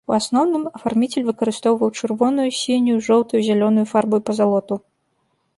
У асноўным, афарміцель выкарыстоўваў чырвоную, сінюю, жоўтую, зялёную фарбу і пазалоту.